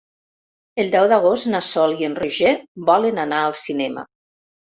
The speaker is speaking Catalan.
El deu d'agost na Sol i en Roger volen anar al cinema.